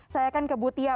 saya akan ke butia